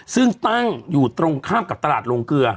ซึ่งตั้งอยู่ตรงข้ามกับตลาดโรงเกลือ